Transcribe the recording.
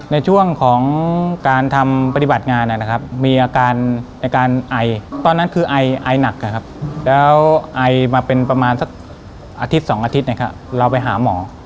ในช่วงของการทำปฏิบัติงานนะครับมีอาการในการไอตอนนั้นคือไอหนักนะครับแล้วไอมาเป็นประมาณสักอาทิตย์๒อาทิตย์นะครับเราไปหาหมอ